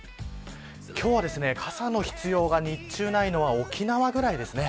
今日は傘の必要が日中ないのは沖縄ぐらいですね。